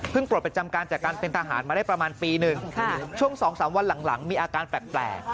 ปลดประจำการจากการเป็นทหารมาได้ประมาณปีหนึ่งช่วง๒๓วันหลังมีอาการแปลก